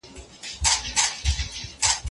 ملي دسترخوان ولس له اصلي غوښتنو لیري ساتي.